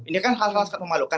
ini kan hal hal seperti memalukan